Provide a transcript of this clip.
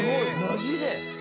マジで？